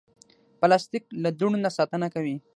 پلاستيک له دوړو نه ساتنه کوي.